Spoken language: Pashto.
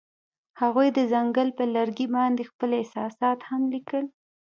هغوی د ځنګل پر لرګي باندې خپل احساسات هم لیکل.